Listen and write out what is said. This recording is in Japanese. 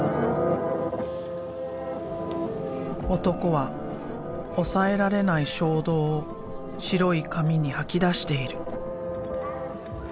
男は抑えられない衝動を白い紙に吐き出している。